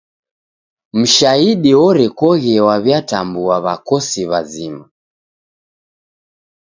Mshahidi orekoghe waw'itambua w'akosi w'azima.